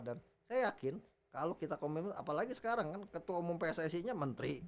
dan saya yakin kalau kita komitmen apalagi sekarang kan ketua umum pssi nya menteri